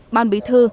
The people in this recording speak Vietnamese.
ban bí thư